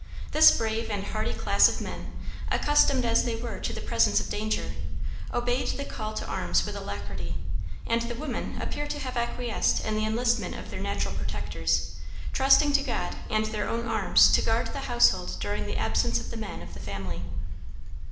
This brave and hardy class of men, accustomed as they were to the presence of danger, obeyed the call to arms with alacrity, and the women appear to have acquiesced in the enlistment of their natural protectors, trusting to God and their own arms to guard the household during the absence of the men of the family.